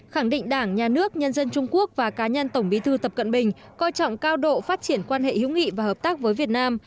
khẳng định đảng nhà nước nhân dân trung quốc và cá nhân tổng bí thư tập cận bình coi trọng cao độ phát triển quan hệ hữu nghị và hợp tác với việt nam